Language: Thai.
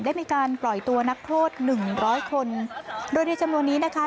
ได้มีการปล่อยตัวนักโทษหนึ่งร้อยคนโดยในจำนวนนี้นะคะ